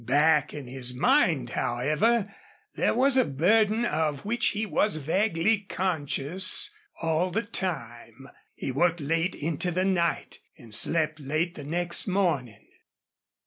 Back in his mind, however, there was a burden of which he was vaguely conscious all the time. He worked late into the night and slept late the next morning.